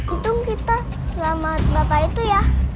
untung kita selamat bapak itu ya